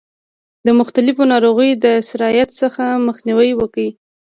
د مختلفو ناروغیو د سرایت څخه مخنیوی وکړي.